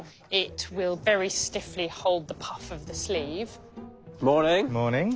いいね。